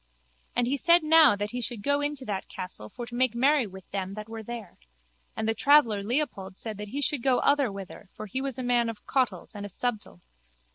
And he said now that he should go in to that castle for to make merry with them that were there. And the traveller Leopold said that he should go otherwhither for he was a man of cautels and a subtile.